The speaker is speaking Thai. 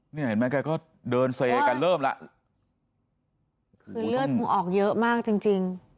เนี่ยเห็นไหมแกก็เดินเซแกเริ่มแล้วคือเลือดคงออกเยอะมากจริงจริง